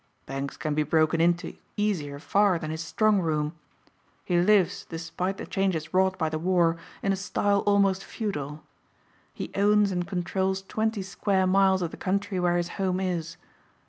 "Banks can be broken into easier far than his strong room. He lives, despite the changes wrought by the war, in a style almost feudal. He owns and controls twenty square miles of the country where his home is.